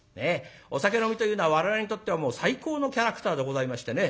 お酒飲みというのは我々にとってはもう最高のキャラクターでございましてね